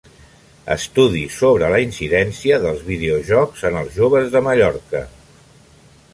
Estudi sobre la incidència dels videojocs en els joves de Mallorca.